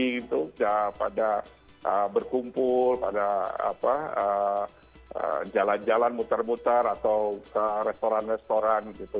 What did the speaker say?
jadi itu sudah pada berkumpul pada jalan jalan mutar mutar atau ke restoran restoran gitu